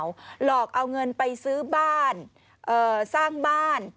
หลอกเอาเงินไปซื้อบ้านสร้างบ้าน